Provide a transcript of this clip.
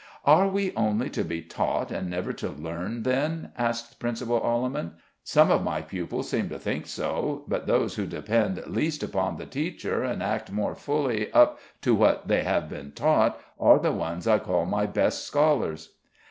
"Are we only to be taught, and never to learn, then?" asked Principal Alleman. "Some of my pupils seem to think so, but those who depend least upon the teacher and act most fully up to what they have been taught are the ones I call my best scholars."